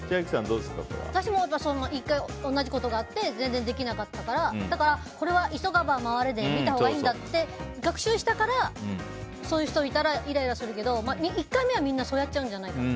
私も同じことがあって全然できなかったからだから、これは急がば回れで見たほうがいいんだって学習したからそういう人がいたらイライラするけど１回目は、みんなそうやっちゃうんじゃないかな。